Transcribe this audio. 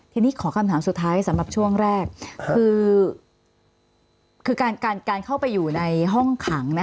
ทีนี้ขอคำถามสุดท้ายสำหรับช่วงแรกคือการเข้าไปอยู่ในห้องขัง